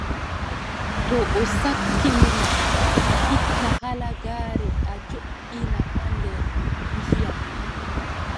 To o sakkini ma, a itta halagaare a joʼina haa nder ndiyam.